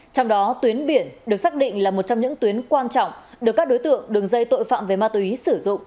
trong đó tuyến biển được xác định là một trong những tuyến quan trọng được các đối tượng đường dây tội phạm về ma túy sử dụng